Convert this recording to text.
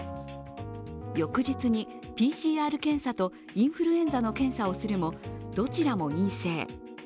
翌日にＰＣＲ検査とインフルエンザの検査をするも、どちらも陰性。